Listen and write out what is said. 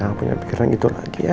nggak punya pikiran gitu lagi ya